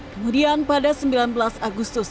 kemudian pada sembilan belas agustus